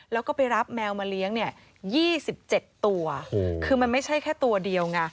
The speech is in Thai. แล้วก็ไปรับแมวมาเลี้ยง๒๗ตัวคือไม่ใช่แค่ตัวเดียว